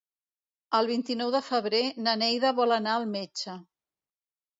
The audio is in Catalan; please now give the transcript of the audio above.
El vint-i-nou de febrer na Neida vol anar al metge.